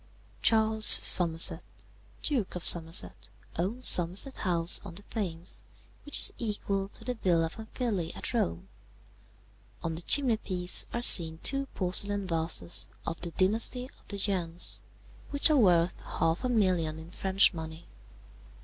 "Charles Somerset, Duke of Somerset, owns Somerset House on the Thames, which is equal to the Villa Pamphili at Rome. On the chimney piece are seen two porcelain vases of the dynasty of the Yuens, which are worth half a million in French money.